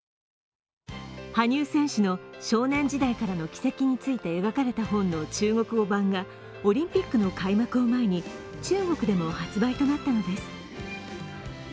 羽生選手の少年時代からの軌跡について描かれた本の中国語版がオリンピックの開幕を前に中国でも発売となったのです。